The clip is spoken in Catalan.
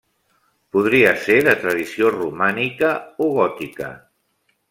Podria ser de tradició romànica o gòtica.